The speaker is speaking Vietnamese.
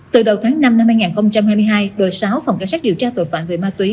từ đầu tháng năm năm hai nghìn hai mươi hai đội sáu phòng cảnh sát điều tra tội phạm về ma túy